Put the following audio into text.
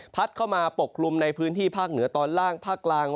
เข้ามาปกคลุมในพื้นที่ภาคเหนือตอนล่างภาคกลาง